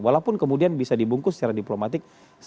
walaupun kemudian bisa dibungkus secara diplomatik